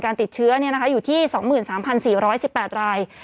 การติดเชื้อเนี่ยนะคะอยู่ที่๒๓๔๑๘ราย